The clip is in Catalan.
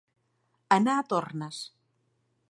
Anar a tornes.